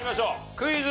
クイズ。